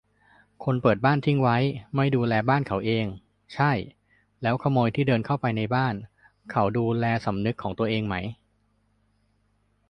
คนเปิดบ้านทิ้งไว้ ไม่ดูแลบ้านเขาเอง ใช่ - แล้วขโมยที่เดินเข้าไปในบ้านเขา ดูแลสำนึกของตัวเองไหม ?